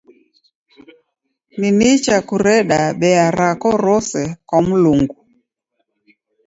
Ni nicha kureda bea rako rose kwa Mlungu.